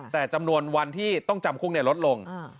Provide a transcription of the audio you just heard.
แต่จำนวนวันที่ต้องจำคุกลดลง